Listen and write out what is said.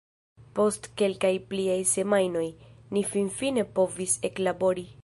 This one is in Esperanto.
Post kelkaj pliaj semajnoj, ni finfine povis eklabori.